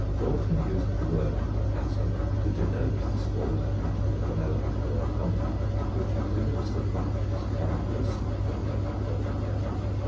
Dalton used the word atom to denote the smallest particle of an element, or a compound, which exhibits the properties characteristic of that element or compound.